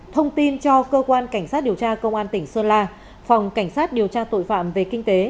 thông tin cho cơ quan cảnh sát điều tra công an tỉnh sơn la phòng cảnh sát điều tra tội phạm về kinh tế